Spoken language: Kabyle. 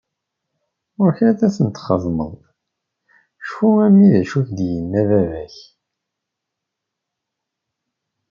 Ɣur-k ad tent-xedmeḍ!! Cfu a mmi d acu i d ak-yenna baba-k.